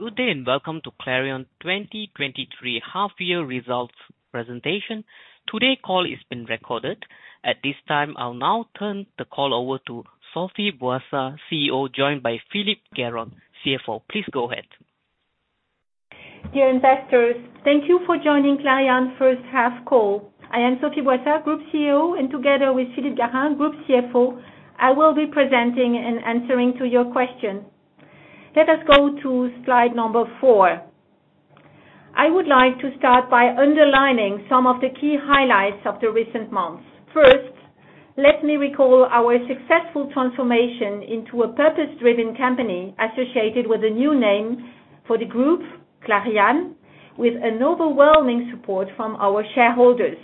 Good day. Welcome to Clariane 2023 half year results presentation. Today call is being recorded. At this time, I'll now turn the call over to Sophie Boissard, CEO, joined by Philippe Garin, CFO. Please go ahead. Dear investors, thank you for joining Clariane first half call. I am Sophie Boissard, Group CEO, and together with Philippe Garin, Group CFO, I will be presenting and answering to your questions. Let us go to slide number four. I would like to start by underlining some of the key highlights of the recent months. First, let me recall our successful transformation into a purpose-driven company associated with a new name for the group, Clariane, with an overwhelming support from our shareholders.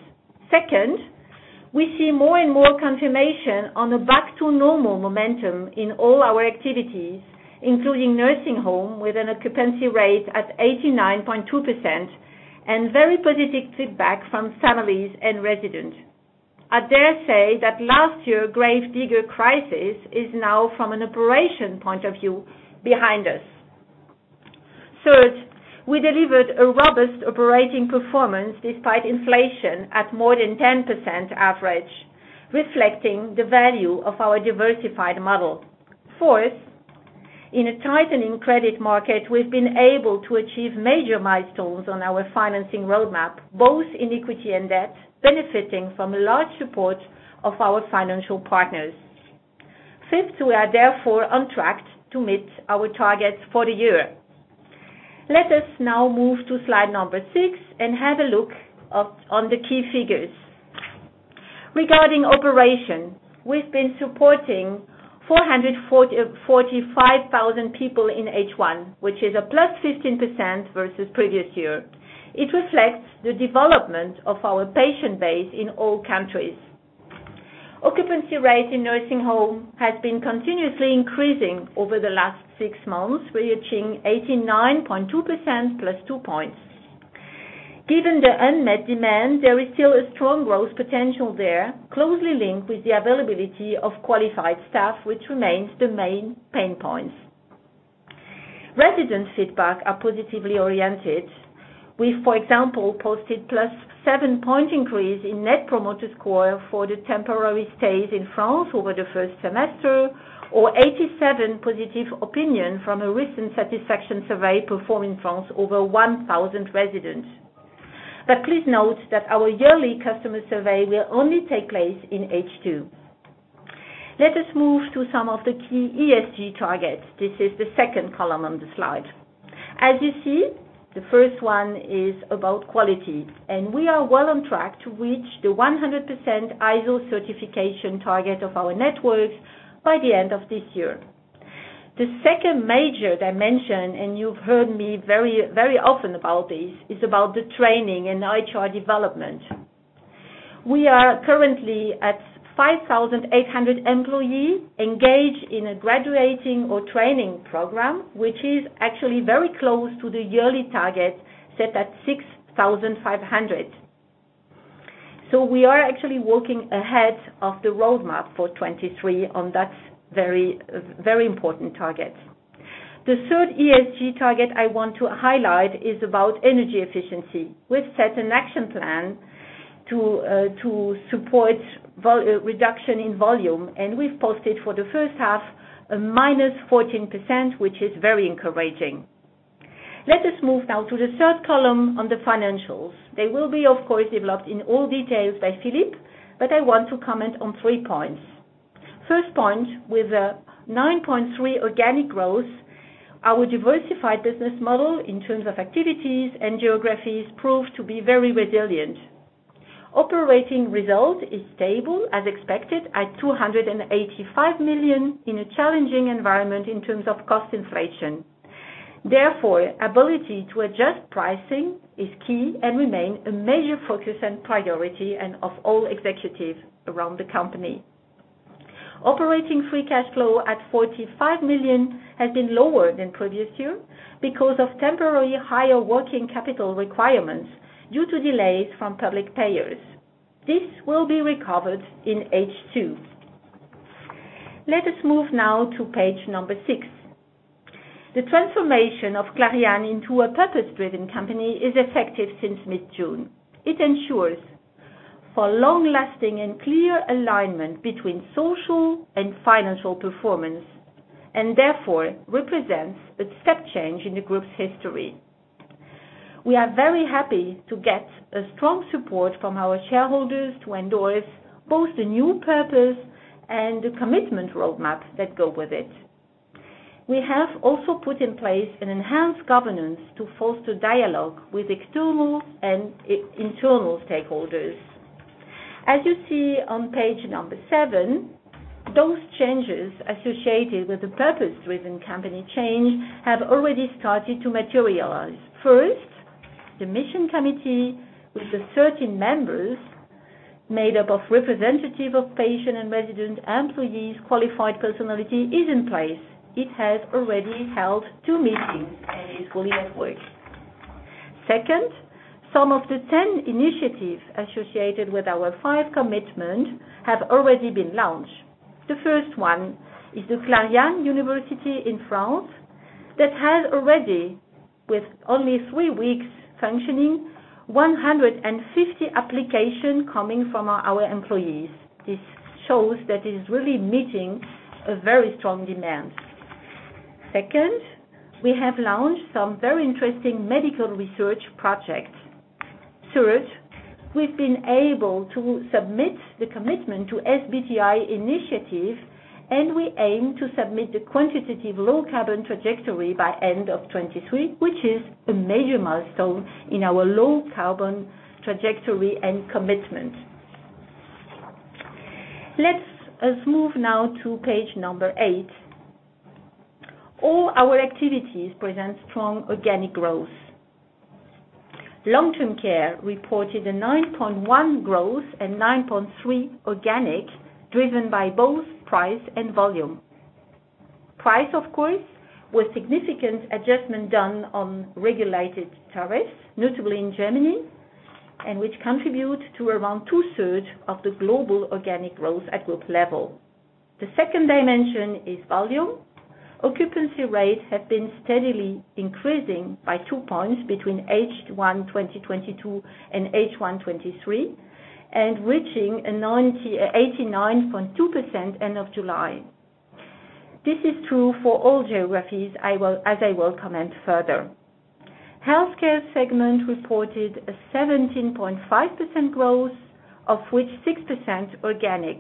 Second, we see more and more confirmation on a back to normal momentum in all our activities, including nursing home, with an occupancy rate at 89.2% and very positive feedback from families and residents. I dare say that last year Gravediggers crisis is now, from an operation point of view, behind us. Third, we delivered a robust operating performance despite inflation at more than 10% average, reflecting the value of our diversified model. Fourth, in a tightening credit market, we've been able to achieve major milestones on our financing roadmap, both in equity and debt, benefiting from a large support of our financial partners. Fifth, we are therefore on track to meet our targets for the year. Let us now move to slide number six and have a look on the key figures. Regarding operation, we've been supporting 445,000 people in H1, which is a +15% versus previous year. It reflects the development of our patient base in all countries. Occupancy rate in nursing home has been continuously increasing over the last six months, reaching 89.2% +2 points. Given the unmet demand, there is still a strong growth potential there, closely linked with the availability of qualified staff, which remains the main pain points. Resident feedback are positively oriented. We've, for example, posted +7 point increase in Net Promoter Score for the temporary stay in France over the first semester, or 87 positive opinion from a recent satisfaction survey performed in France over 1,000 residents. Please note that our yearly customer survey will only take place in H2. Let us move to some of the key ESG targets. This is the second column on the slide. As you see, the first one is about quality, and we are well on track to reach the 100% ISO certification target of our networks by the end of this year. The second major dimension, and you've heard me very, very often about this, is about the training and HR development. We are currently at 5,800 employees engaged in a graduating or training program, which is actually very close to the yearly target, set at 6,500. We are actually working ahead of the roadmap for 2023 on that very, very important target. The third ESG target I want to highlight is about energy efficiency. We've set an action plan to support reduction in volume, and we've posted for the first half a minus 14%, which is very encouraging. Let us move now to the third column on the financials. They will be, of course, developed in all details by Philippe, but I want to comment on 3 points. First point, with a 9.3 organic growth, our diversified business model in terms of activities and geographies proved to be very resilient. Operating result is stable, as expected, at 285 million in a challenging environment in terms of cost inflation. Therefore, ability to adjust pricing is key and remain a major focus and priority and of all executives around the company. Operating free cash flow at 45 million has been lower than previous year because of temporary higher working capital requirements due to delays from public payers. This will be recovered in H2. Let us move now to page number 6. The transformation of Clariane into a purpose-driven company is effective since mid-June. It ensures for long-lasting and clear alignment between social and financial performance, and therefore represents a step change in the group's history. We are very happy to get a strong support from our shareholders to endorse both the new purpose and the commitment roadmaps that go with it. We have also put in place an enhanced governance to foster dialogue with external and internal stakeholders. As you see on page number seven, those changes associated with the purpose-driven company change have already started to materialize. First, the mission committee, with the 13 members, made up of representative of patients and residents, employees, qualified personality, is in place. It has already held two meetings and is fully at work. Second, some of the 10 initiatives associated with our five commitment have already been launched. The first one is the Clariane University in France, that has already, with only three weeks functioning, 150 applications coming from our employees. This shows that it is really meeting a very strong demand. Second, we have launched some very interesting medical research projects. Third, we've been able to submit the commitment to SBTI initiative, and we aim to submit the quantitative low carbon trajectory by end of 2023, which is a major milestone in our low carbon trajectory and commitment. Let's move now to page number eight. All our activities present strong organic growth. Long-term care reported a 9.1% growth and 9.3% organic, driven by both price and volume. Price, of course, with significant adjustment done on regulated tariffs, notably in Germany, and which contribute to around two-third of the global organic growth at group level. The second dimension is volume. Occupancy rates have been steadily increasing by 2 points between H1, 2022 and H1, 2023, and reaching 89.2% end of July. This is true for all geographies, as I will comment further. Healthcare segment reported a 17.5% growth, of which 6% organic.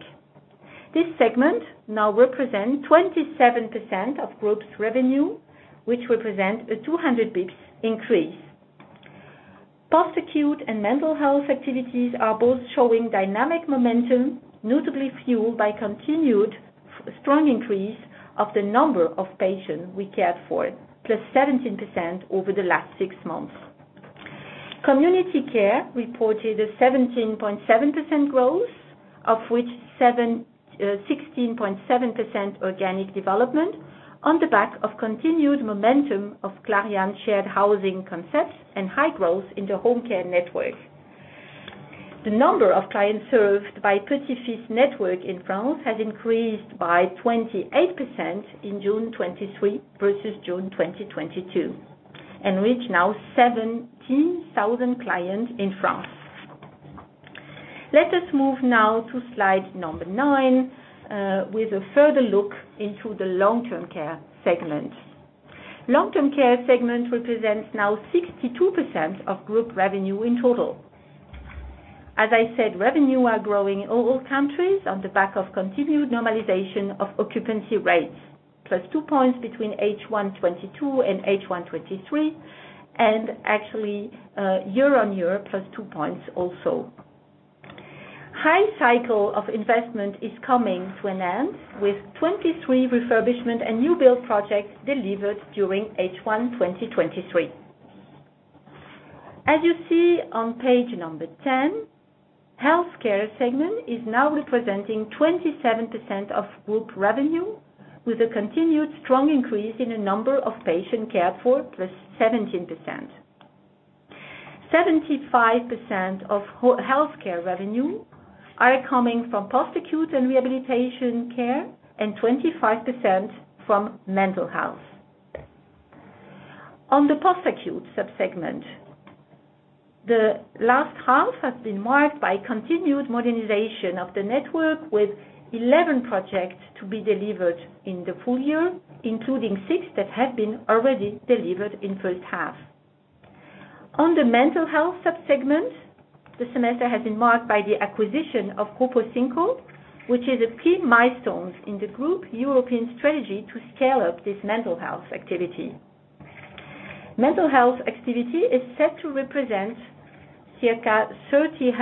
This segment now represent 27% of group's revenue, which represent a 200 bps increase. Post-acute and mental health activities are both showing dynamic momentum, notably fueled by continued strong increase of the number of patients we cared for, +17% over the last six months. Community Care reported a 17.7% growth, of which 16.7% organic development on the back of continued momentum of Clariane shared housing concepts and high growth in the home care network. The number of clients served by Petits-fils network in France has increased by 28% in June 2023 versus June 2022 and reach now 70,000 clients in France. Let us move now to slide number nine with a further look into the Long-Term Care segment. Long-term care segment represents now 62% of group revenue in total. As I said, revenue are growing in all countries on the back of continued normalization of occupancy rates, +2 points between H1 2022 and H1 2023, and actually, year-on-year, +2 points also. High cycle of investment is coming to an end, with 23 refurbishment and new build projects delivered during H1 2023. As you see on page number 10, Healthcare segment is now representing 27% of group revenue, with a continued strong increase in the number of patient cared for, +17%. 75% of healthcare revenue are coming from post-acute and rehabilitation care, and 25% from mental health. On the post-acute subsegment, the last half has been marked by continued modernization of the network, with 11 projects to be delivered in the full year, including six that have been already delivered in first half. On the mental health subsegment, the semester has been marked by the acquisition of Grupo 5, which is a key milestone in the group European strategy to scale up this mental health activity. Mental health activity is set to represent circa 30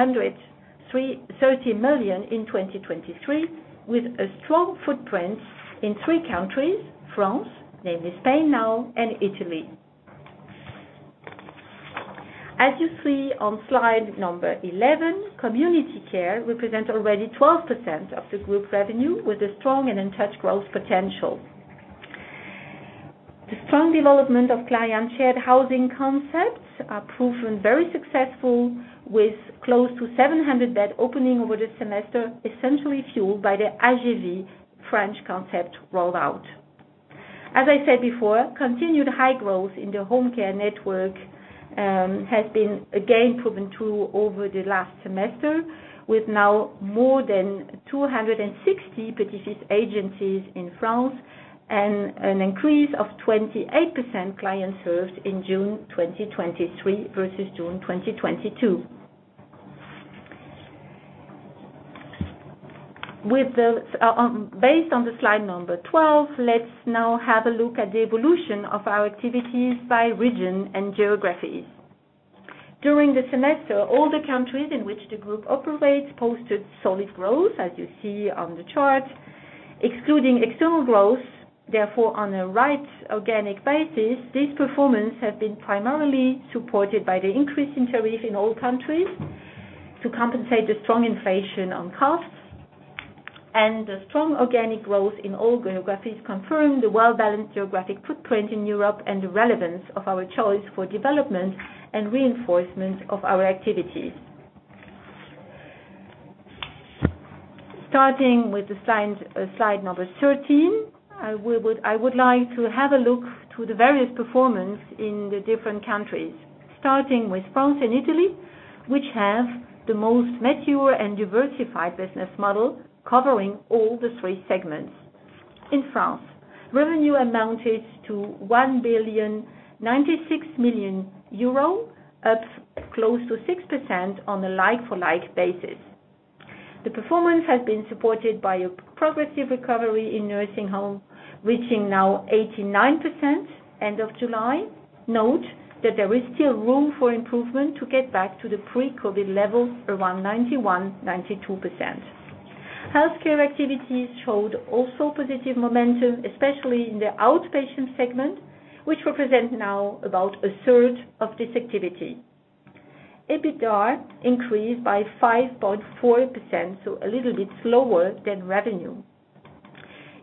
million in 2023, with a strong footprint in three countries: France, namely Spain now, and Italy. As you see on slide number 11, Community Care represents already 12% of the group's revenue, with a strong and untouched growth potential. The strong development of client shared housing concepts are proven very successful, with close to 700 bed opening over the semester, essentially fueled by the Ages & Vie French concept rollout. As I said before, continued high growth in the home care network has been again proven true over the last semester, with now more than 260 Petits-fils agencies in France, and an increase of 28% clients served in June 2023, versus June 2022. With the, based on the slide number 12, let's now have a look at the evolution of our activities by region and geographies. During the semester, all the countries in which the group operates posted solid growth, as you see on the chart, excluding external growth. Therefore, on a right organic basis, this performance has been primarily supported by the increase in tariff in all countries to compensate the strong inflation on costs. The strong organic growth in all geographies confirm the well-balanced geographic footprint in Europe and the relevance of our choice for development and reinforcement of our activities. Starting with the slide, slide number 13, I would like to have a look to the various performance in the different countries, starting with France and Italy, which have the most mature and diversified business model, covering all the three segments. In France, revenue amounted to 1,096 million euro, up close to 6% on a like-for-like basis. The performance has been supported by a progressive recovery in nursing home, reaching now 89% end of July. Note that there is still room for improvement to get back to the pre-COVID levels, around 91%-92%. Healthcare activities showed also positive momentum, especially in the outpatient segment, which represent now about a third of this activity. EBITDA increased by 5.4%, so a little bit slower than revenue.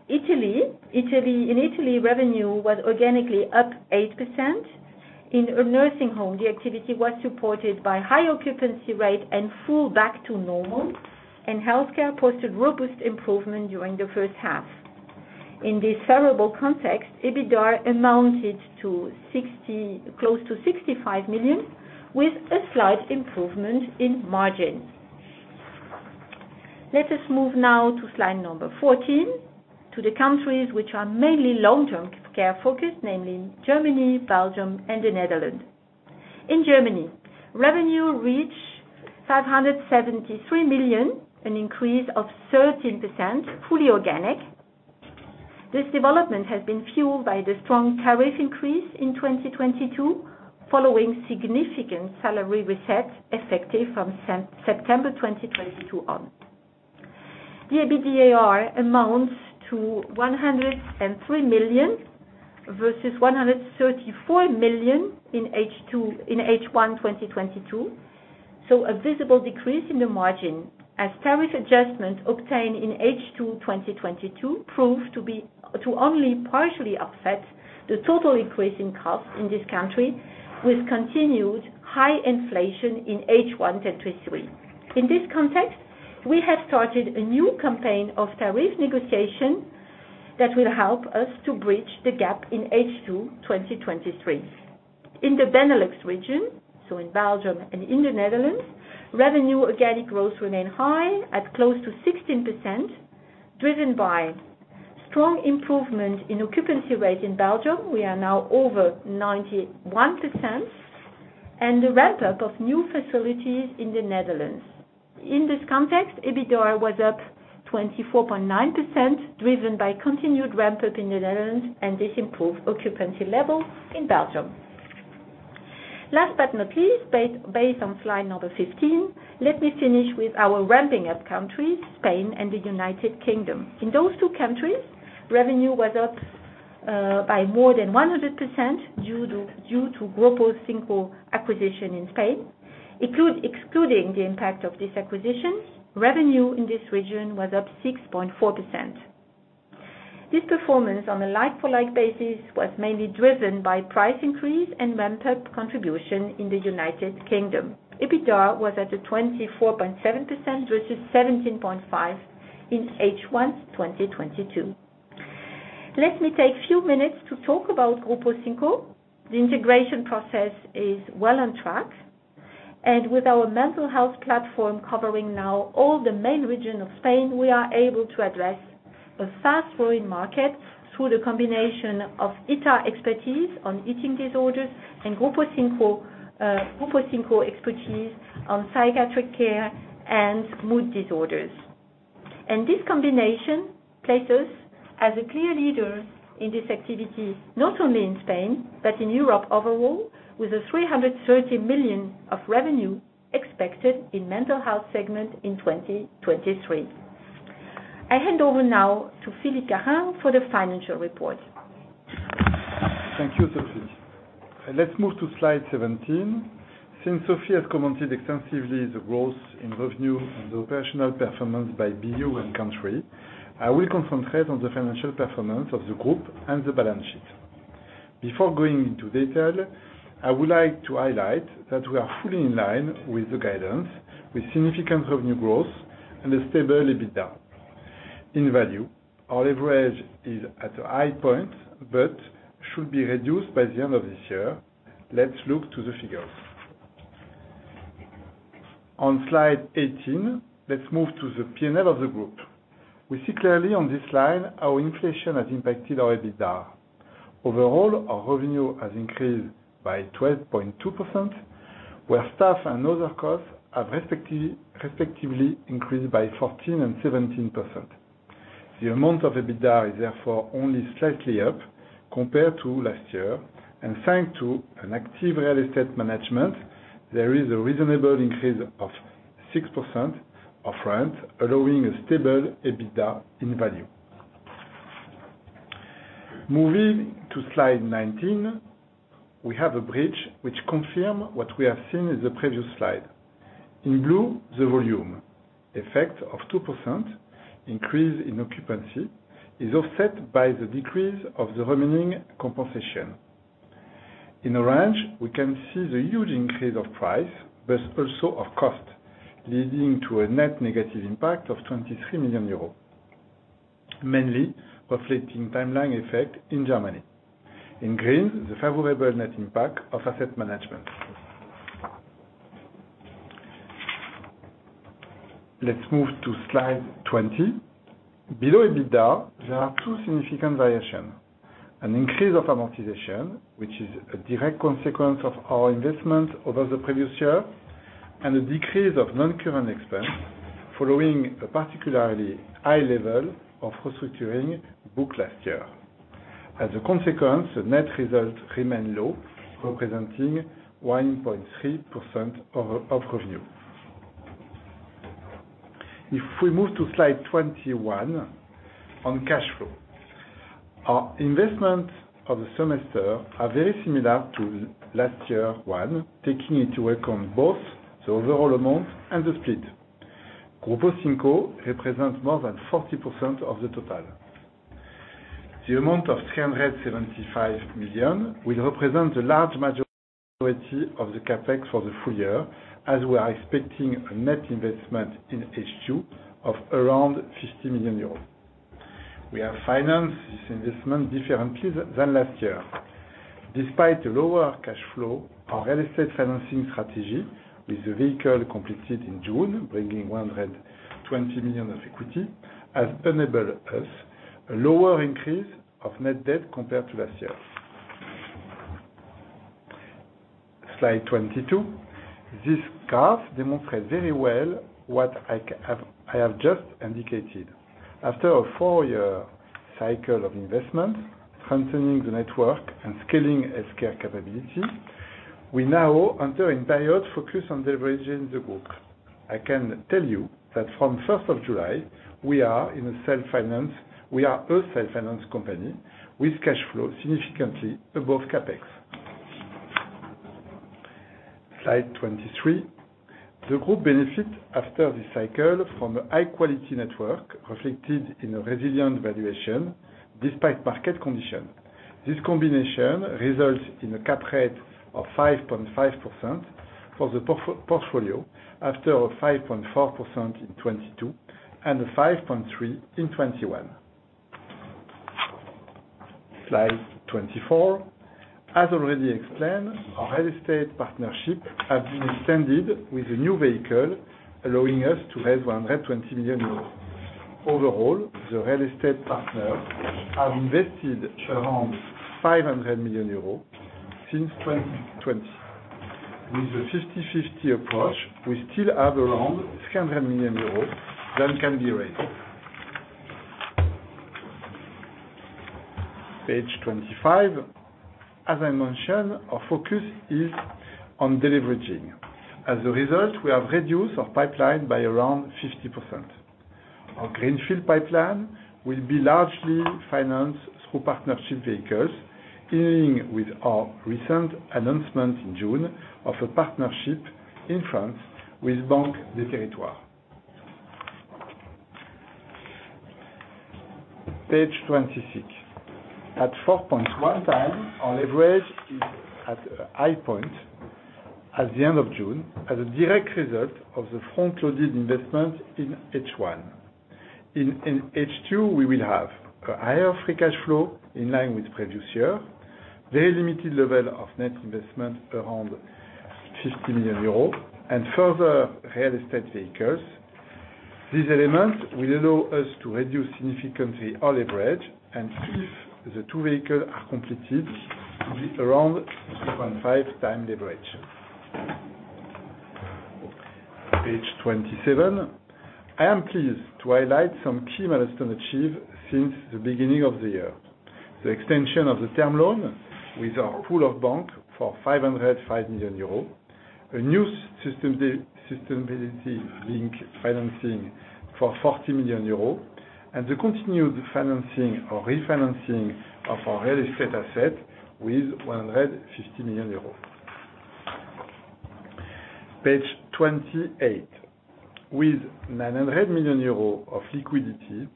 In Italy, revenue was organically up 8%. In a nursing home, the activity was supported by high occupancy rate and full back to normal, and healthcare posted robust improvement during the first half. In this favorable context, EBITDA amounted to close to 65 million, with a slight improvement in margin. Let us move now to slide number 14, to the countries which are mainly Long-Term Care focused, namely Germany, Belgium, and the Netherlands. In Germany, revenue reached 573 million, an increase of 13%, fully organic. This development has been fueled by the strong tariff increase in 2022, following significant salary reset, effective from September 2022 on. The EBITDA amounts to 103 million versus 134 million in H1 2022. A visible decrease in the margin as tariff adjustments obtained in H2 2022 proved to only partially offset the total increase in cost in this country, with continued high inflation in H1 2023. In this context, we have started a new campaign of tariff negotiation that will help us to bridge the gap in H2 2023. In the Benelux region, in Belgium and in the Netherlands, revenue organic growth remained high at close to 16%, driven by strong improvement in occupancy rate in Belgium. We are now over 91%, and the ramp-up of new facilities in the Netherlands. In this context, EBITDA was up 24.9%, driven by continued ramp-up in the Netherlands and this improved occupancy level in Belgium. Last but not least, based on slide number 15, let me finish with our ramping up countries, Spain and the United Kingdom. In those two countries, revenue was up by more than 100%, due to Grupo 5 acquisition in Spain. Excluding the impact of this acquisition, revenue in this region was up 6.4%. This performance, on a like-for-like basis, was mainly driven by price increase and ramp-up contribution in the United Kingdom. EBITDA was at a 24.7%, versus 17.5 in H1 2022. Let me take few minutes to talk about Grupo 5. The integration process is well on track. With our mental health platform covering now all the main region of Spain, we are able to address a fast-growing market through the combination of Ita expertise on eating disorders and Grupo 5 expertise on psychiatric care and mood disorders. This combination places us as a clear leader in this activity, not only in Spain, but in Europe overall, with a 330 million of revenue expected in mental health segment in 2023. I hand over now to Philippe Garin for the financial report. Thank you, Sophie. Let's move to slide 17. Since Sophie has commented extensively the growth in revenue and the operational performance by BU and country, I will concentrate on the financial performance of the group and the balance sheet. Before going into detail, I would like to highlight that we are fully in line with the guidance, with significant revenue growth and a stable EBITDA. In value, our leverage is at a high point, but should be reduced by the end of this year. Let's look to the figures. On slide 18, let's move to the P&L of the group. We see clearly on this slide how inflation has impacted our EBITDA. Overall, our revenue has increased by 12.2%, where staff and other costs have respectively increased by 14% and 17%. The amount of EBITDA is therefore only slightly up compared to last year, and thanks to an active real estate management, there is a reasonable increase of 6% of rent, allowing a stable EBITDA in value. Moving to slide 19, we have a bridge which confirm what we have seen in the previous slide. In blue, the volume effect of 2% increase in Occupancy is offset by the decrease of the remaining compensation. In orange, we can see the huge increase of price, but also of cost, leading to a net negative impact of 23 million euros, mainly reflecting timeline effect in Germany. In green, the favorable net impact of asset management. Let's move to slide 20. Below EBITDA, there are two significant variation, an increase of amortization, which is a direct consequence of our investment over the previous year, and a decrease of non-current expense following a particularly high level of restructuring booked last year. As a consequence, the net result remain low, representing 1.3% of revenue. If we move to slide 21, on cash flow. Our investment of the semester are very similar to last year one, taking into account both the overall amount and the split. Grupo 5 represents more than 40% of the total. The amount of 375 million will represent the large majority of the CapEx for the full year, as we are expecting a net investment in H2 of around 50 million euros. We have financed this investment differently than last year. Despite the lower cash flow, our real estate financing strategy, with the vehicle completed in June, bringing 120 million of equity, has enabled us a lower increase of net debt compared to last year. Slide 22. This graph demonstrates very well what I have just indicated. After a four-year cycle of investment, strengthening the network and scaling capability, we now enter a period focused on leveraging the group. I can tell you that from first of July, we are a self-finance company with cash flow significantly above CapEx. Slide 23. The group benefit after this cycle from a high-quality network, reflected in a resilient valuation despite market condition. This combination results in a cap rate of 5.5% for the portfolio, after a 5.4% in 2022, and a 5.3% in 2021. Slide 24. As already explained, our real estate partnership has been extended with a new vehicle, allowing us to raise 120 million euros. Overall, the real estate partner has invested around 500 million euros since 2020. With a 50/50 approach, we still have around 200 million euros that can be raised. Page 25. As I mentioned, our focus is on deleveraging. As a result, we have reduced our pipeline by around 50%. Our greenfield pipeline will be largely financed through partnership vehicles, dealing with our recent announcement in June of a partnership in France with Banque des Territoires. Page 26. At 4.1x, our leverage is at a high point at the end of June, as a direct result of the front-loaded investment in H1. In H2, we will have a higher free cash flow in line with previous year, very limited level of net investment, around 50 million euros, and further real estate vehicles. These elements will allow us to reduce significantly our leverage. If the two vehicles are completed, around 2.5x leverage. Page 27. I am pleased to highlight some key milestone achieved since the beginning of the year. The extension of the term loan with our pool of bank for 505 million euros, a new sustainability-linked financing for 40 million euros, and the continued financing or refinancing of our real estate asset with 150 million euros. Page 28. With 900 million euros of liquidity,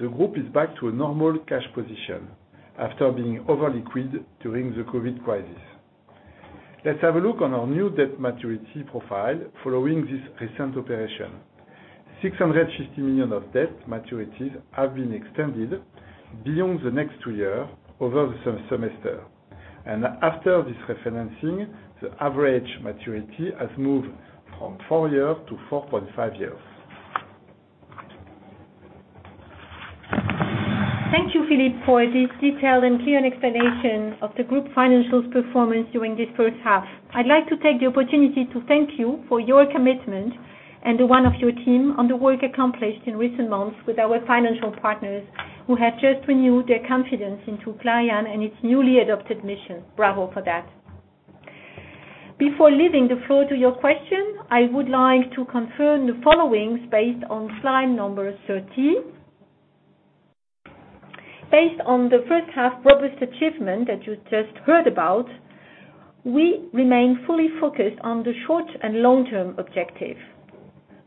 the group is back to a normal cash position after being over-liquid during the COVID crisis. Let's have a look on our new debt maturity profile following this recent operation. 650 million of debt maturities have been extended beyond the next two year over the semester. After this refinancing, the average maturity has moved from 4 years to 4.5 years. Thank you, Philippe, for this detailed and clear explanation of the group's financials performance during this first half. I'd like to take the opportunity to thank you for your commitment and the one of your team on the work accomplished in recent months with our financial partners, who have just renewed their confidence into Clariane and its newly adopted mission. Bravo for that. Before leaving the floor to your question, I would like to confirm the following based on slide number 13. Based on the first half robust achievement that you just heard about, we remain fully focused on the short and long-term objective.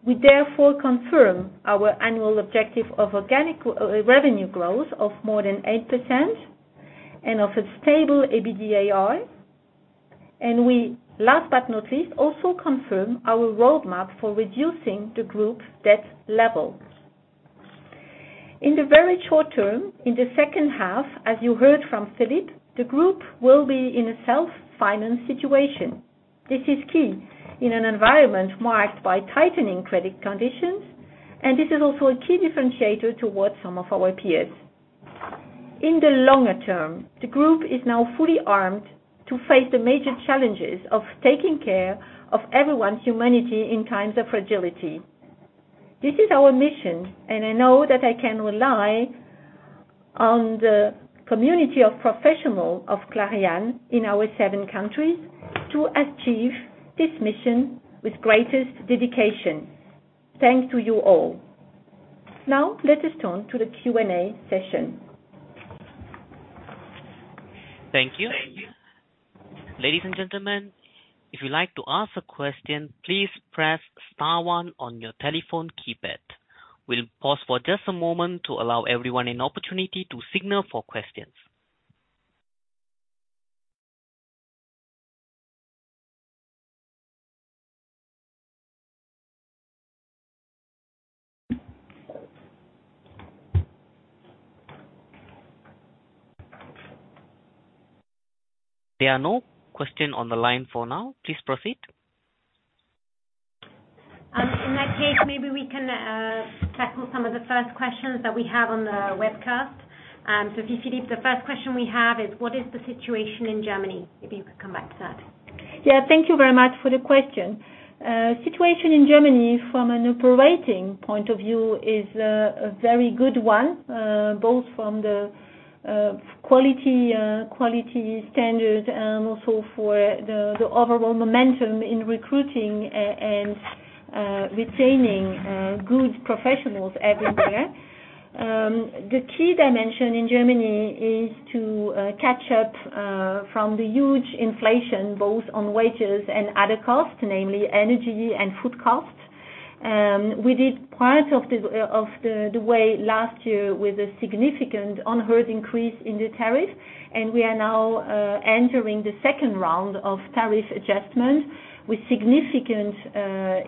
We therefore confirm our annual objective of organic revenue growth of more than 8% and of a stable EBITDAR. We, last but not least, also confirm our roadmap for reducing the group's debt level. In the very short term, in the second half, as you heard from Philippe, the group will be in a self-finance situation. This is key in an environment marked by tightening credit conditions. This is also a key differentiator towards some of our peers. In the longer term, the group is now fully armed to face the major challenges of taking care of everyone's humanity in times of fragility. This is our mission. I know that I can rely on the community of professional of Clariane in our seven countries to achieve this mission with greatest dedication. Thanks to you all. Now, let us turn to the Q&A session. Thank you. Ladies and gentlemen, if you'd like to ask a question, please press star one on your telephone keypad. We'll pause for just a moment to allow everyone an opportunity to signal for questions. There are no question on the line for now. Please proceed. In that case, maybe we can tackle some of the first questions that we have on the webcast. If you Philippe, the first question we have is: What is the situation in Germany? If you could come back to that. Yeah, thank you very much for the question. Situation in Germany from an operating point of view is a very good one, both from the quality, quality standard and also for the overall momentum in recruiting and retaining good professionals everywhere. The key dimension in Germany is to catch up from the huge inflation, both on wages and other costs, namely energy and food costs. We did part of the way last year with a significant unheard increase in the tariff, and we are now entering the second round of tariff adjustment with significant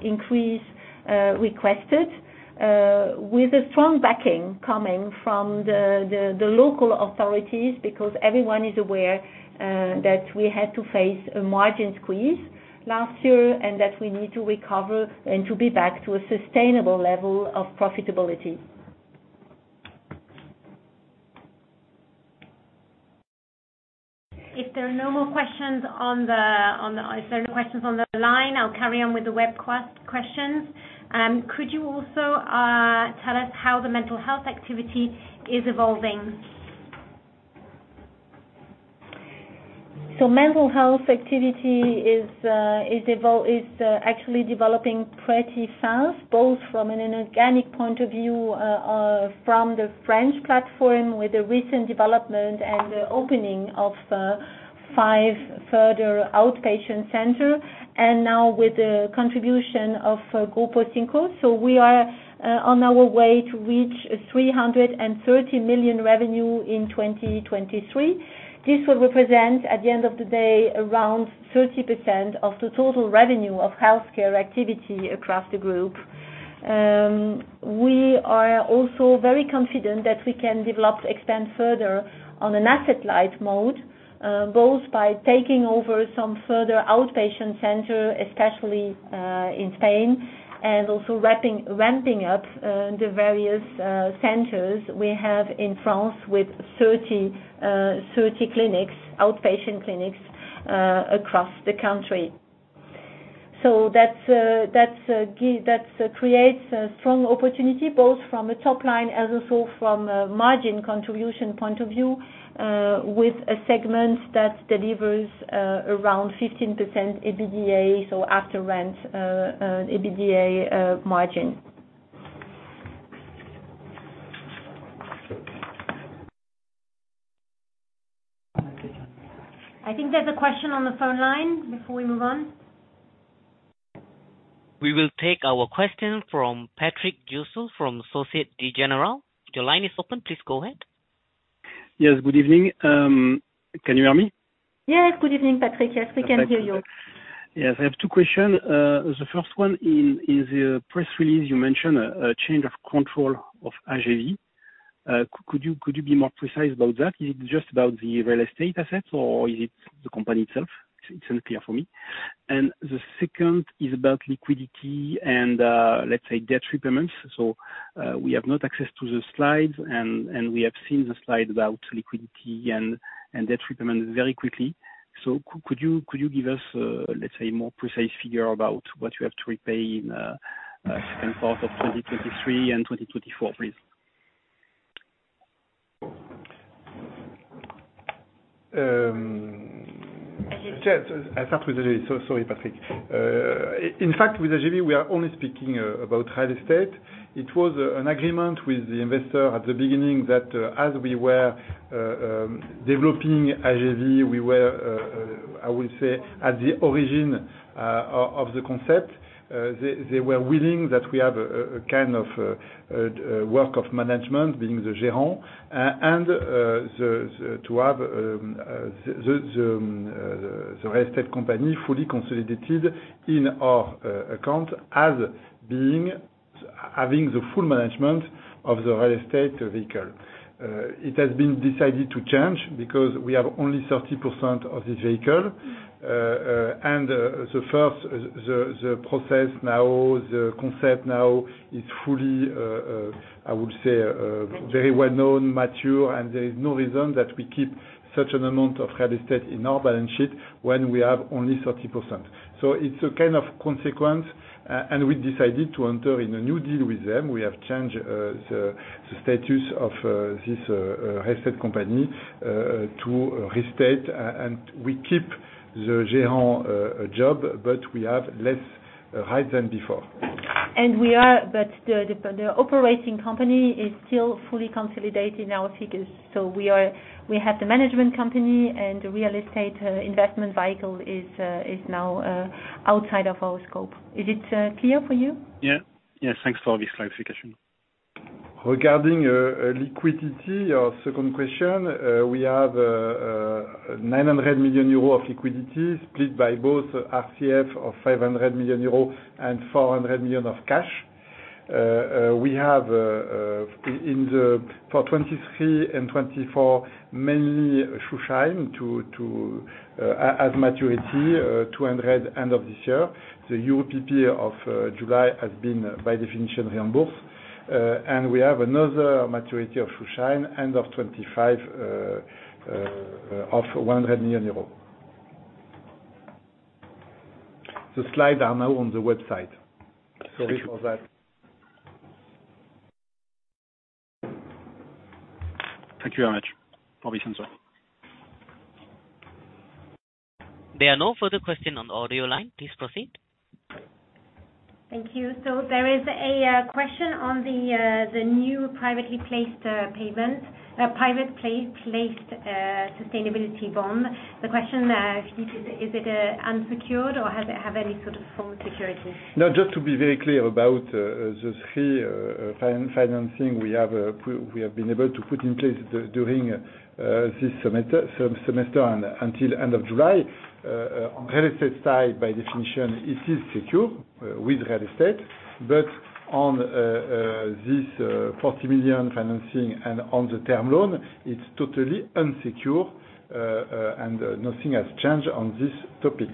increase requested with a strong backing coming from the local authorities because everyone is aware that we had to face a margin squeeze last year, and that we need to recover and to be back to a sustainable level of profitability. If there are no questions on the line, I'll carry on with the web questions. Could you also tell us how the mental health activity is evolving? Mental health activity is actually developing pretty fast, both from an inorganic point of view from the French platform, with the recent development and the opening of 5 further outpatient centers, and now with the contribution of Grupo 5. We are on our way to reach 330 million revenue in 2023. This will represent, at the end of the day, around 30% of the total revenue of healthcare activity across the group. We are also very confident that we can develop, expand further on an asset-light mode, both by taking over some further outpatient centers, especially in Spain, and also ramping up the various centers we have in France with 30 clinics, outpatient clinics, across the country. That creates a strong opportunity, both from a top line as also from a margin contribution point of view, with a segment that delivers around 15% EBITDA, so after rent, EBITDA margin. I think there's a question on the phone line before we move on. We will take our question from Patrick Jousseaume, from Société Générale. The line is open. Please go ahead. Yes. Good evening. Can you hear me? Yes, good evening, Patrick. Yes, we can hear you. Yes, I have two questions. The first one, in the press release, you mentioned a change of control of Ages & Vie. Could you be more precise about that? Is it just about the real estate assets, or is it the company itself? It's unclear for me. The second is about liquidity and, let's say, debt repayments. We have not access to the slides, and we have seen the slide about liquidity and debt repayment very quickly. Could you give us, let's say, a more precise figure about what you have to repay in second half of 2023 and 2024, please? Yes, I start with the, sorry, Patrick. In fact, with Ages & Vie, we are only speaking about real estate. It was an agreement with the investor at the beginning that as we were developing Ages & Vie, we were, I would say, at the origin of the concept, they were willing that we have a kind of work of management, being the Gérant. The to have the real estate company fully consolidated in our account as being, having the full management of the real estate vehicle. It has been decided to change because we have only 30% of this vehicle. The first, the, the process now, the concept now is fully I would say very well-known, mature, and there is no reason that we keep such an amount of real estate in our balance sheet when we have only 30%. It's a kind of consequence, and we decided to enter in a new deal with them. We have changed the, the status of this real estate company to real estate, and we keep the Gérant job, but we have less right than before. We are, but the operating company is still fully consolidated in our figures. We have the management company, and the real estate investment vehicle is now outside of our scope. Is it clear for you? Yeah. Yes, thanks for this clarification. Regarding liquidity, our second question, we have 900 million euros of liquidity, split by both RCF of 500 million euros and 400 million of cash. We have in the for 2023 and 2024, mainly Schuldschein to as maturity, EUR 200 million end of this year. The UPP of July has been, by definition, reimbursed. We have another maturity of Schuldschein, end of 2025, of EUR 100 million. The slides are now on the website. Sorry for that. Thank you very much. I'll be since well. There are no further questions on the audio line. Please proceed. Thank you. There is a question on the new private placed sustainability bond. The question is, is it unsecured or has it have any sort of full security? No, just to be very clear about, the three financing we have, we have been able to put in place during this semester and until end of July. Real estate side, by definition, it is secure, with real estate. On this 40 million financing and on the term loan, it's totally unsecure, and nothing has changed on this topic.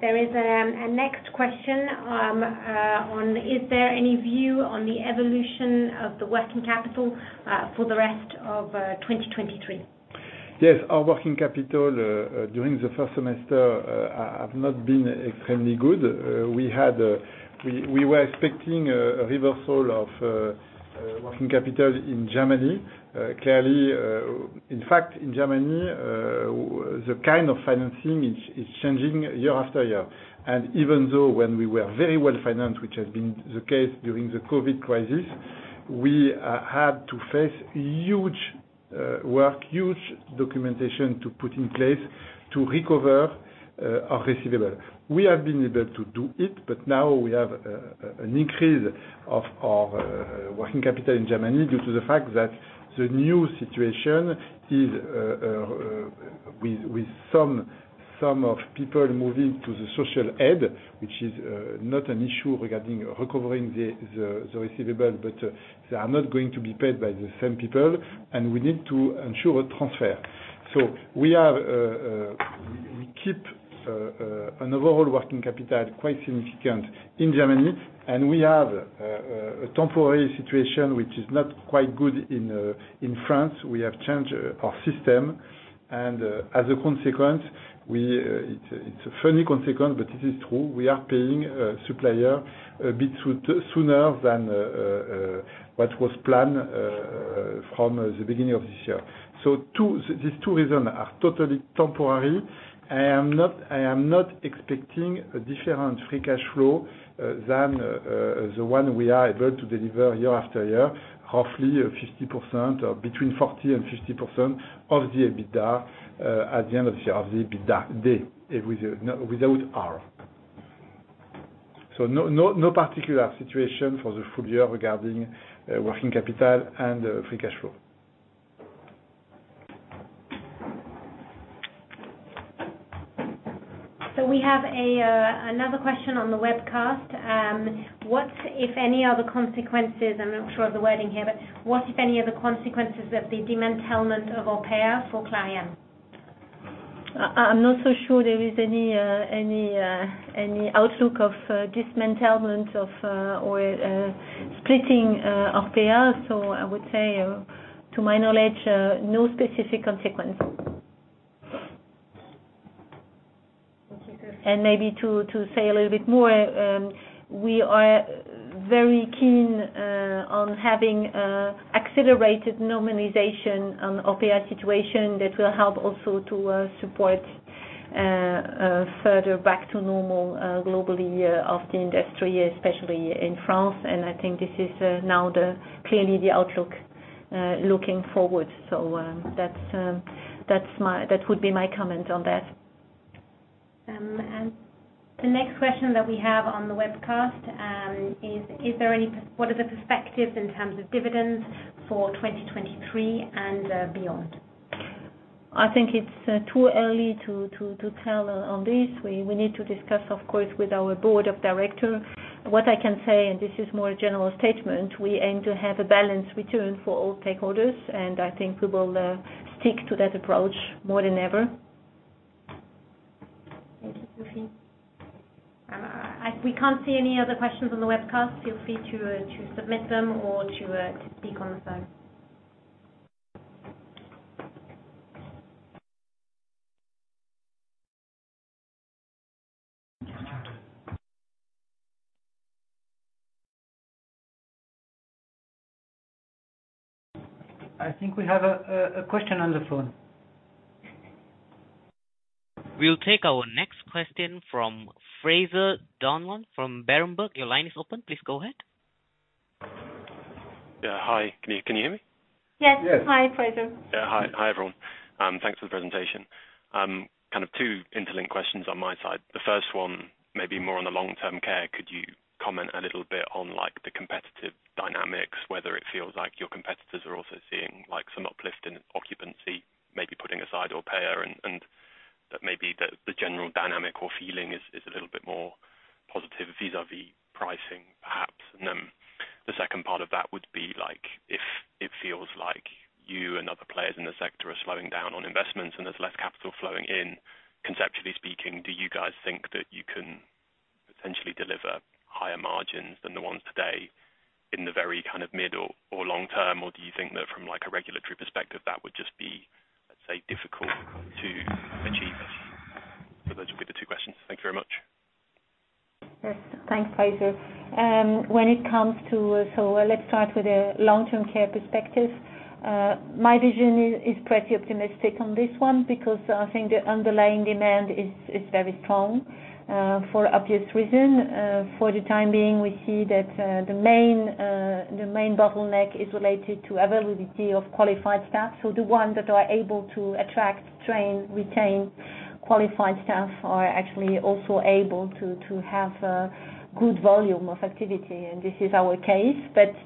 There is a next question on: Is there any view on the evolution of the working capital for the rest of 2023? Yes, our working capital during the first semester have not been extremely good. We had, we were expecting a reversal of working capital in Germany. Clearly, in fact, in Germany, the kind of financing is changing year after year. Even though when we were very well-financed, which has been the case during the COVID crisis, we had to face huge documentation to put in place to recover our receivable. We have been able to do it. Now we have an increase of our working capital in Germany due to the fact that the new situation is with some of people moving to the social aid, which is not an issue regarding recovering the receivable. They are not going to be paid by the same people. We need to ensure a transfer. We keep an overall working capital quite significant in Germany. We have a temporary situation which is not quite good in France. We have changed our system, and, as a consequence, we, it's a funny consequence, but it is true, we are paying supplier a bit sooner than what was planned from the beginning of this year. These two reasons are totally temporary. I am not expecting a different free cash flow than the one we are able to deliver year after year, roughly 50%, or between 40% and 50% of the EBITDA, at the end of the year, of the EBITDA, without R. No particular situation for the full year regarding working capital and free cash flow. We have another question on the webcast. What, if any, are the consequences, I'm not sure of the wording here, but what, if any, are the consequences of the dismantlement of Orpea for clients? I'm not so sure there is any, any, any outlook of dismantlement of or splitting Orpea. I would say, to my knowledge, no specific consequence. Maybe to say a little bit more, we are very keen on having accelerated normalization on Occupancy situation that will help also to support further back to normal globally of the industry, especially in France. I think this is now the clearly the outlook looking forward. That's that would be my comment on that. The next question that we have on the webcast, what are the perspectives in terms of dividends for 2023 and beyond? I think it's too early to tell on this. We need to discuss, of course, with our board of director. What I can say, and this is more a general statement, we aim to have a balanced return for all stakeholders, and I think we will stick to that approach more than ever. Thank you, Sophie. We can't see any other questions on the webcast. Feel free to submit them or to speak on the phone. I think we have a question on the phone. We'll take our next question from Fraser Donlon from Berenberg. Your line is open. Please go ahead. Yeah, hi. Can you hear me? Yes. Yes. Hi, Fraser. Yeah. Hi. Hi, everyone. Thanks for the presentation. Kind of two interlinked questions on my side. The first one, maybe more on the Long-Term Care: Could you comment a little bit on, like, the competitive dynamics, whether it feels like your competitors are also seeing, like, some uplift in occupancy, maybe putting aside Orpea, and that maybe the general dynamic or feeling is a little bit more positive vis-a-vis pricing, perhaps? The second part of that would be like, if it feels like you and other players in the sector are slowing down on investments and there's less capital flowing in, conceptually speaking, do you guys think that you can potentially deliver higher margins than the ones today in the very kind of mid or long term? Do you think that from, like, a regulatory perspective, that would just be, let's say, difficult to achieve? Those would be the two questions. Thank you very much. Yes, thanks, Fraser. When it comes to, let's start with the Long-Term Care perspective. My vision is pretty optimistic on this one, because I think the underlying demand is very strong for obvious reason. For the time being, we see that the main bottleneck is related to availability of qualified staff. The ones that are able to attract, train, retain qualified staff are actually also able to have a good volume of activity, and this is our case.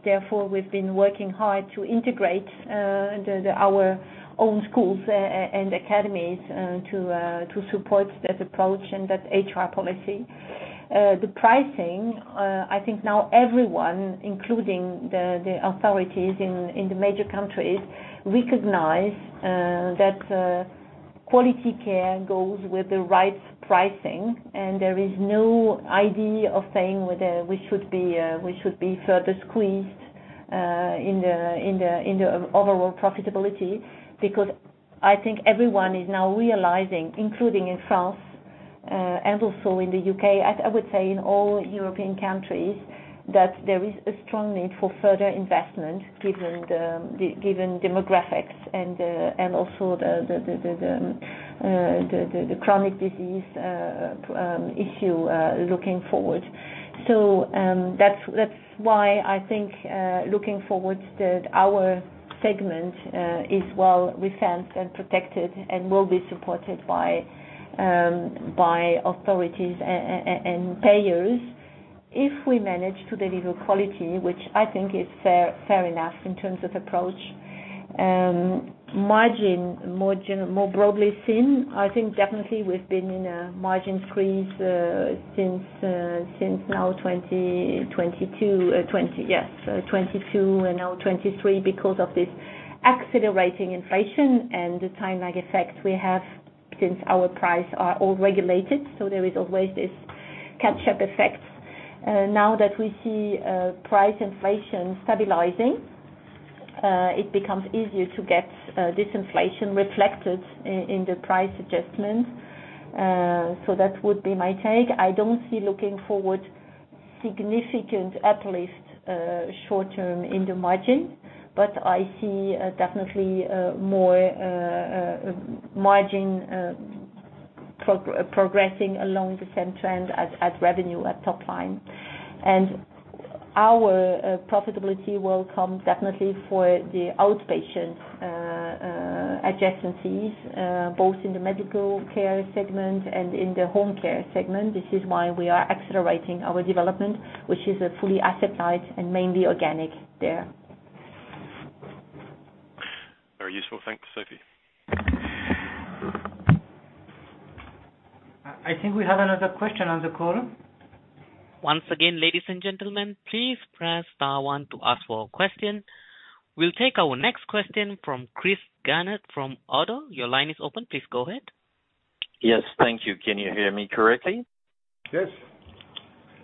Therefore, we've been working hard to integrate our own schools and academies to support that approach and that HR policy. The pricing, I think now everyone, including the authorities in the major countries, recognize that quality care goes with the right pricing, and there is no idea of saying whether we should be further squeezed in the overall profitability. I think everyone is now realizing, including in France, and also in the U.K., I would say in all European countries, that there is a strong need for further investment given demographics and also the chronic disease issue looking forward. That's why I think looking forward, that our segment is well referenced and protected and will be supported by authorities and payers, if we manage to deliver quality, which I think is fair enough, in terms of approach. Margin, more broadly seen, I think definitely we've been in a margin squeeze since now 2022, 2022 and now 2023, because of this accelerating inflation and the time lag effect we have, since our price are all regulated, there is always this catch-up effect. Now that we see price inflation stabilizing, it becomes easier to get this inflation reflected in the price adjustment. That would be my take. I don't see looking forward, significant, at least, short-term in the margin, but I see definitely more margin progressing along the same trend as revenue at top line. Our profitability will come definitely for the outpatient adjacencies, both in the Medical Care segment and in the Home Care segment. This is why we are accelerating our development, which is a fully asset light and mainly organic there. Very useful. Thanks, Sophie. I think we have another question on the call. Once again, ladies and gentlemen, please press star one to ask for a question. We'll take our next question from Christophe-Raphaël Ganet, from Oddo. Your line is open. Please go ahead. Yes. Thank you. Can you hear me correctly? Yes.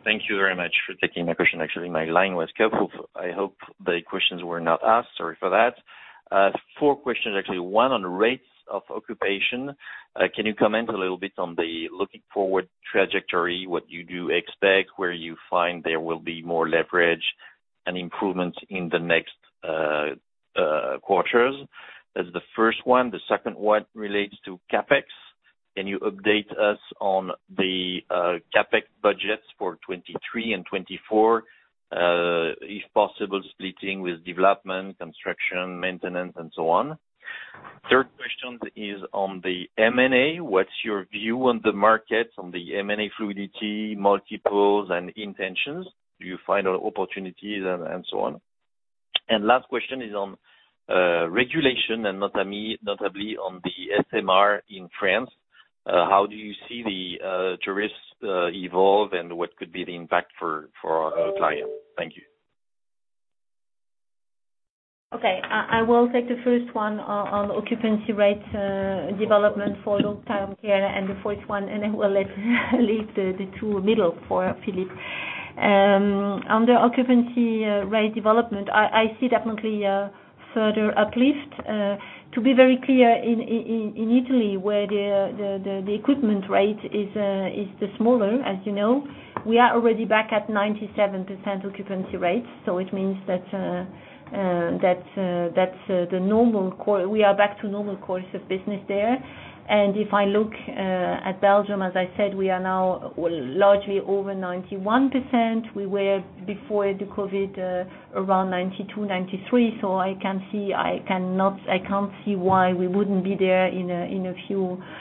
Thank you very much for taking my question. Actually, my line was cut off. I hope the questions were not asked. Sorry for that. Four questions, actually. One, on rates of occupation, can you comment a little bit on the looking forward trajectory, what you do expect, where you find there will be more leverage and improvements in the next quarters? That's the first one. The second one relates to CapEx. Can you update us on the CapEx budgets for 2023 and 2024, if possible, splitting with development, construction, maintenance, and so on? Third question is on the M&A. What's your view on the market, on the M&A fluidity, multiples, and intentions? Do you find opportunities and so on? Last question is on regulation and notably on the SMR in France. How do you see the tariffs evolve, and what could be the impact for, for our client? Thank you. Okay, I will take the first one on occupancy rates development for Long-Term Care and the fourth one, then we'll let leave the two middle for Philippe. On the occupancy rate development, I see definitely a further uplift. To be very clear, in Italy, where the equipment rate is the smaller, as you know, we are already back at 97% occupancy rate, so it means that that's the normal course of business there. If I look at Belgium, as I said, we are now largely over 91%. We were, before the COVID, around 92%, 93%, so I can't see why we wouldn't be there in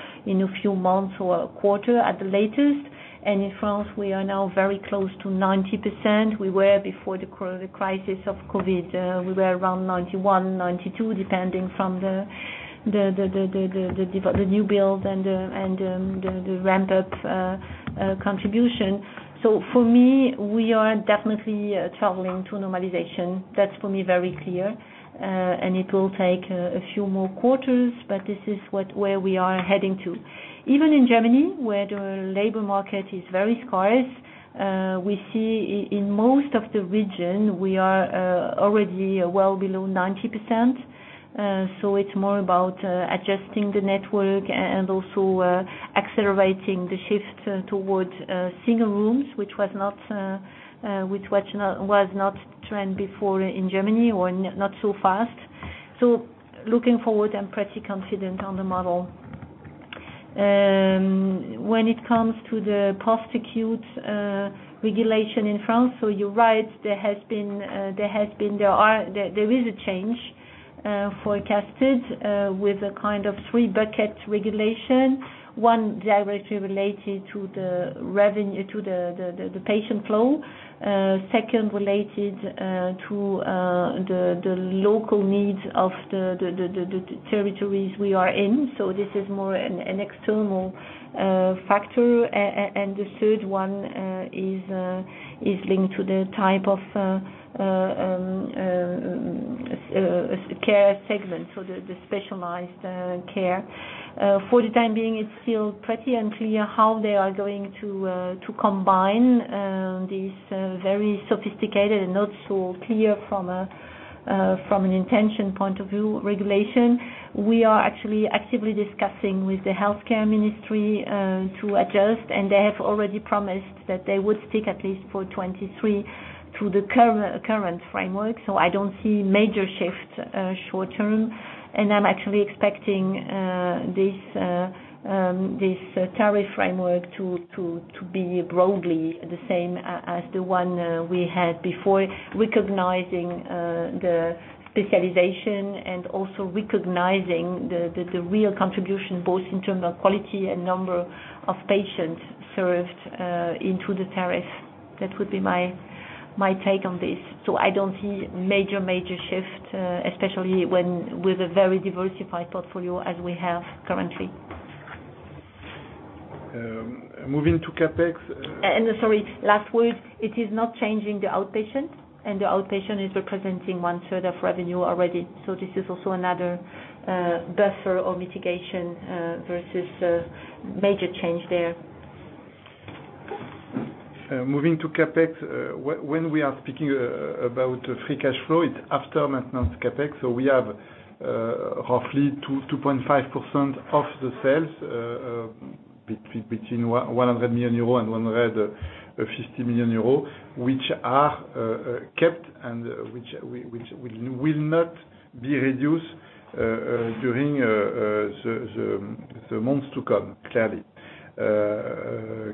a few months or a quarter at the latest. In France, we are now very close to 90%. We were before the crisis of COVID, we were around 91%, 92%, depending from the new build and the ramp-up contribution. For me, we are definitely traveling to normalization. That's for me, very clear. It will take a few more quarters, but this is where we are heading to. Even in Germany, where the labor market is very scarce, we see in most of the region, we are already well below 90%. It's more about adjusting the network and also accelerating the shift towards single rooms, which was not trend before in Germany, or not so fast. Looking forward, I'm pretty confident on the model. When it comes to the post-acute regulation in France, you're right, there is a change forecasted with a kind of three bucket regulation. One directly related to the revenue, to the patient flow. Second, related to the local needs of the territories we are in, this is more an external factor. The third one is linked to the type of care segment, so the specialized care. For the time being, it's still pretty unclear how they are going to combine these very sophisticated and not so clear from a from an intention point of view, regulation. We are actually actively discussing with the healthcare ministry to adjust, and they have already promised that they would stick at least for 2023, to the current framework. I don't see major shift short-term. I'm actually expecting this tariff framework to be broadly the same as the one we had before, recognizing the specialization and also recognizing the real contribution, both in terms of quality and number of patients served into the tariff. That would be my take on this. I don't see major shift, especially when, with a very diversified portfolio as we have currently. Moving to CapEx. Sorry, last word, it is not changing the outpatient. The outpatient is representing 1/3 of revenue already. This is also another buffer or mitigation versus major change there. Moving to CapEx, when we are speaking about free cash flow, it's after maintenance CapEx, we have roughly 2.5% of the sales between 100 million euro and 150 million euro, which are kept and which will not be reduced during the months to come, clearly.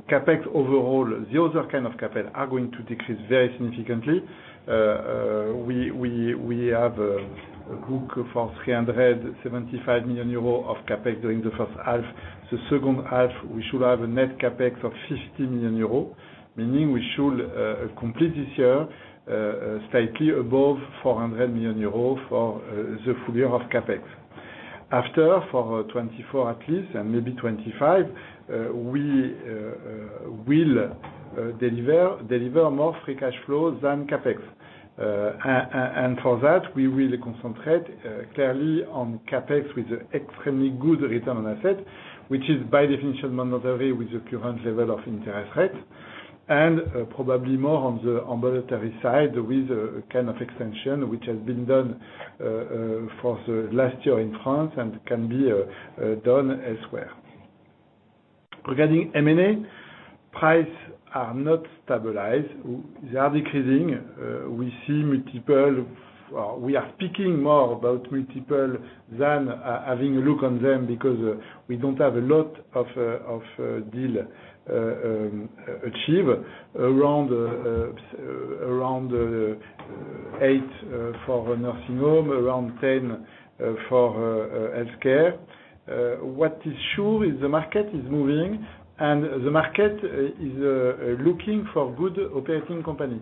CapEx, overall, the other kind of CapEx are going to decrease very significantly. We have a book for 375 million euros of CapEx during the first half. The second half, we should have a net CapEx of 50 million euros, meaning we should complete this year slightly above 400 million euros for the full year of CapEx. After, for 2024 at least, and maybe 2025, we will deliver more free cash flow than CapEx. For that, we really concentrate clearly on CapEx with extremely good return on asset, which is by definition mandatory with the current level of interest rate, and probably more on the ambulatory side with a kind of extension which has been done for the last year in France and can be done elsewhere. Regarding M&A, price are not stabilized, they are decreasing. We see multiple, we are speaking more about multiple than having a look on them because, we don't have a lot of deal achieve around eight for nursing home, around 10 for healthcare. What is sure is the market is moving, and the market is looking for good operating company.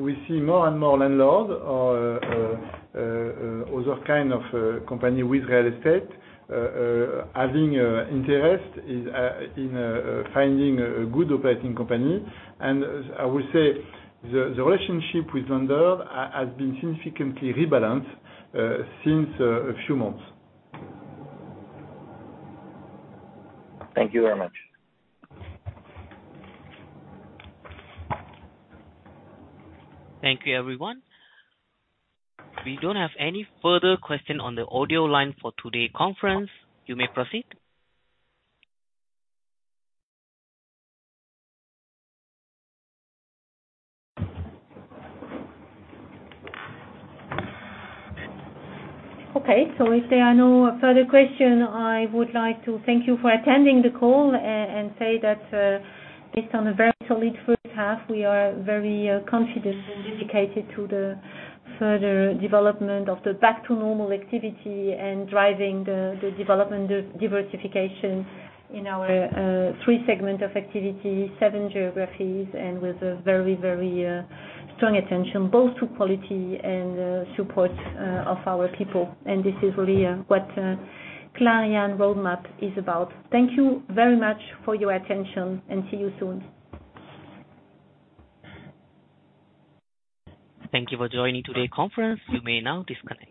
We see more and more landlord or other kind of company with real estate having interest in finding a good operating company. I would say the relationship with vendor has been significantly rebalanced since a few months. Thank you very much. Thank you, everyone. We don't have any further question on the audio line for today conference. You may proceed. Okay, so if there are no further questions, I would like to thank you for attending the call and say that, based on a very solid first half, we are very confident and dedicated to the further development of the back to normal activity and driving the development of diversification in our three segment of activity, seven geographies, and with a very, very strong attention both to quality and support of our people. This is really what Clariane roadmap is about. Thank you very much for your attention and see you soon. Thank you for joining today conference. You may now disconnect.